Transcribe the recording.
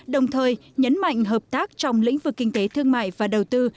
đồng thời nhấn mạnh hợp tác trong lĩnh vực kinh tế thương mại và đầu tư